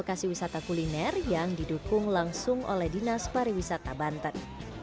lokasi wisata kuliner yang didukung langsung oleh dinas pariwisata banten